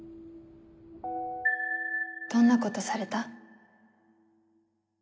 どんなことされた？